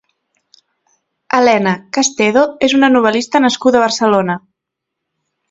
Elena Castedo és una novel·lista nascuda a Barcelona.